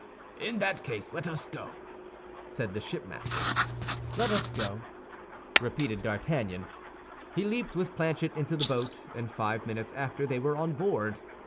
"In that case let us go," said the shipmaster. "Let us go," repeated D'Artagnan. He leaped with Planchet into the boat, and five minutes after they were on board.